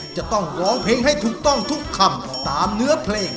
จะต้องร้องเพลงให้ถูกต้องทุกคำตามเนื้อเพลง